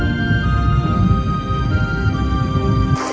pangeran dolor mengambil peluang untuk menemukan makhluk